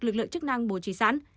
lực lượng chức năng bố trí sẵn